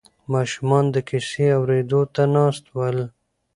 ماشومان د کیسې اورېدو ته ناست ول.